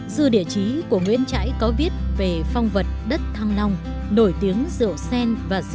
dư địa chí của nguyễn trãi có viết về phong vật đất thăng long nổi tiếng rượu sen và rượu trắng